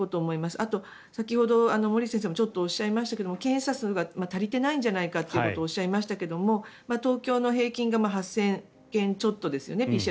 あと、先ほど森内先生もちょっとおっしゃいましたけども検査数が足りていないんじゃないかっていうことをおっしゃいましたが東京の平均が８０００件ちょっとですよね。